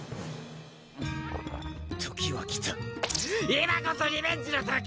今こそリベンジの時！